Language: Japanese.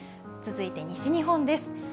続いて西日本です。